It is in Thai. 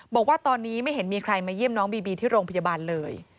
บอกว่าตอนนี้ไม่เห็นมีใครมาเยี่ยมน้องบีบีที่โรงพยาบาลเลย